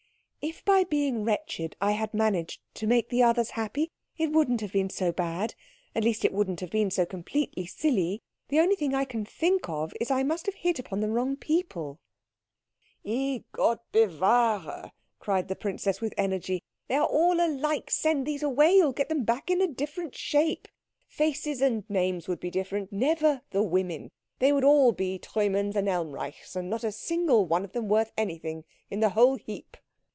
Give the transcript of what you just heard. "If by being wretched I had managed to make the others happy it wouldn't have been so bad. At least it wouldn't have been so completely silly. The only thing I can think of is that I must have hit upon the wrong people." "I Gott bewahre!" cried the princess with energy. "They are all alike. Send these away, you get them back in a different shape. Faces and names would be different, never the women. They would all be Treumanns and Elmreichs, and not a single one worth anything in the whole heap."